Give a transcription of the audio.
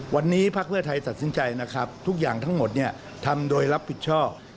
วันนี้ภักดิ์เพื่อไทยตัดสินใจนะครับทุกอย่างทั้งหมดเนี่ยทำโดยรับผิดชอบ